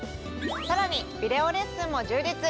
さらにビデオレッスンも充実。